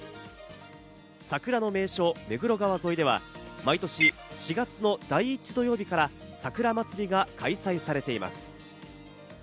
桜の名所・目黒川沿いでは、毎年４月の第１土曜日から、桜まつりが開催されています。